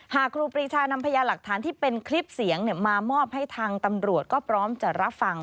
ครูปรีชานำพยาหลักฐานที่เป็นคลิปเสียงมามอบให้ทางตำรวจก็พร้อมจะรับฟัง